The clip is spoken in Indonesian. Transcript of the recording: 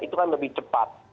itu kan lebih cepat